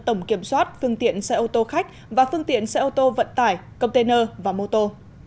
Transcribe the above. tổng kiểm soát phương tiện xe ô tô khách và phương tiện xe ô tô vận tải container và mô tô